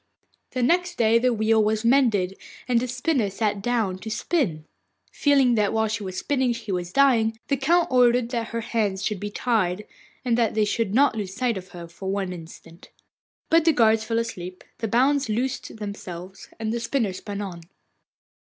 The next day the wheel was mended, and the spinner sat down to spin. Feeling that while she was spinning he was dying, the Count ordered that her hands should be tied, and that they should not lose sight of her for one instant. But the guards fell asleep, the bonds loosed themselves, and the spinner spun on.